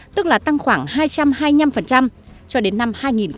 tức là tăng khoảng hai trăm hai mươi năm cho đến năm hai nghìn ba mươi năm